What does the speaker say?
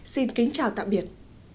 xin kính chào tạm biệt